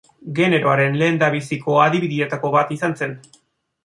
Generoaren lehendabiziko adibideetako bat izan zen.